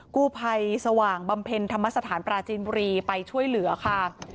กู้ภัยสว่างบำเพ็ญธรรมสถานปราจีนบุรีไปช่วยเหลือค่ะ